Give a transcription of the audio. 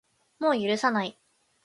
もう許さない